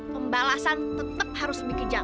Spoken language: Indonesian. pembalasan tetep harus dikejam